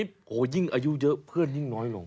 โอ้โหยิ่งอายุเยอะเพื่อนยิ่งน้อยลง